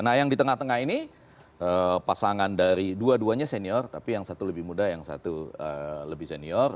nah yang di tengah tengah ini pasangan dari dua duanya senior tapi yang satu lebih muda yang satu lebih senior